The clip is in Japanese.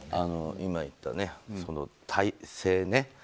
今言った、体制ね。